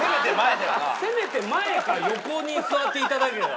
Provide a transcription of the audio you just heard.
せめて前か横に座っていただけたら。